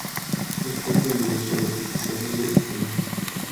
Es poco y dudoso lo que se sabe de Camões.